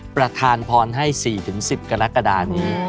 ประธานพรให้๔๑๐กรกฎานี้